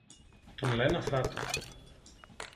Τον λεν Αφράτο